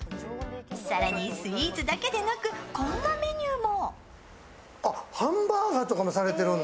更にスイーツだけでなく、こんなメニューも。